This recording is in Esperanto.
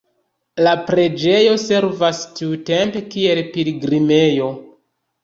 La preĝejo servas tiutempe kiel pilgrimejo.